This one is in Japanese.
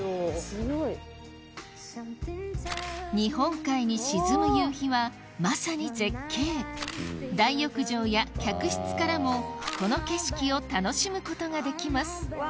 すごい。日本海に沈む夕日はまさに絶景大浴場や客室からもこの景色を楽しむことができます